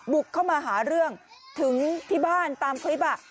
บุกเข้ามาหาเรื่องถึงที่บ้านตามคลิป